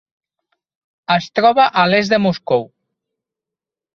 Es troba a l'est de Moscou.